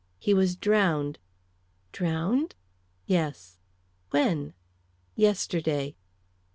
"He was drowned." "Drowned?" "Yes." "When?" "Yesterday."